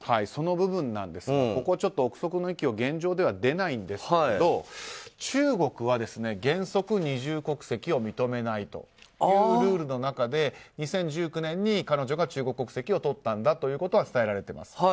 その部分なんですがここは憶測の域を現状では出ないんですが中国は原則、二重国籍を認めないというルールの中で２０１９年、彼女が中国国籍を取ったということは伝えられています。